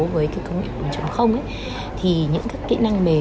với cái công nghiệp bốn thì những các kỹ năng mềm